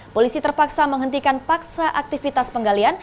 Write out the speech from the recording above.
polisi terpaksa menghentikan paksa aktivitas penggalian